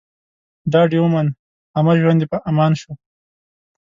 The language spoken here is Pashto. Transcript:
ډاډ يې وموند، همه ژوند يې په امان شو